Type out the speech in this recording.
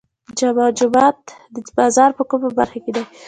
جامع جومات د بازار په کومه برخه کې دی؟